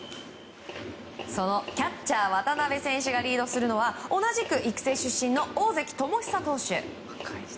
そのキャッチャー渡邉選手がリードするのは同じく育成出身の大関友久選手。